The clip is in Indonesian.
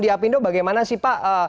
di apindo bagaimana sih pak